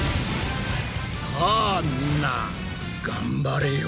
さあみんな頑張れよ。